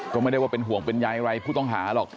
ก็ไม่ได้ว่าเป็นห่วงเป็นใยอะไรผู้ต้องหาหรอก